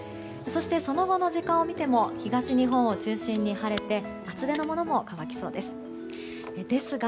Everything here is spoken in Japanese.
そして、その後の時間を見ても東日本を中心に晴れて厚手のものも乾きそうです。